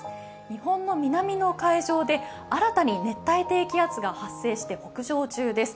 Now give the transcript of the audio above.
日本の南の海上で新たに熱帯低気圧が発生して北上中です。